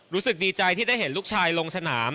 รู้สึกดีใจที่ได้เห็นลูกชายลงสนาม